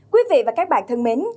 quý vị và các bạn thân mến